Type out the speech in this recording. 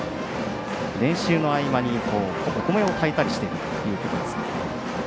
練習の合間にお米を炊いたりしているということです。